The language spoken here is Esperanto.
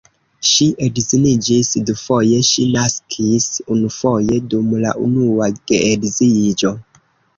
Ŝi edziniĝis dufoje, ŝi naskis unufoje dum la unua geedziĝo.